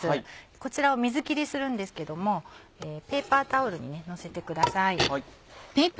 こちらを水切りするんですけどもペーパータオルにのせてください。